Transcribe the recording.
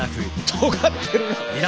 とがってるな！